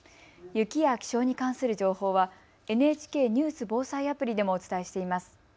雪や気象に関する情報はＮＨＫニュース・防災アプリでもお伝えしています。